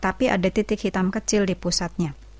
tapi ada titik hitam kecil di pusatnya